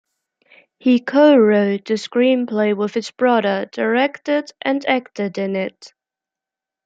He co-wrote the screenplay with his brother, directed and acted in it.